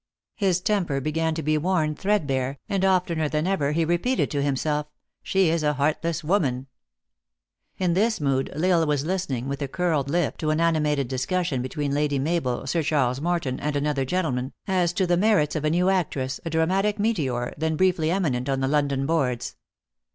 His temper began to be worn threadbare, and oftener than ever he repeated to himself, " She is a heartless woman !" In this mood L Isle was listening, with a curled lip, to an animated discussion between Lady Mabel, Sir Charles Moreton, and another gentleman, as to the merits of a new actress, a dramatic meteor, then briefly eminent on the London boards.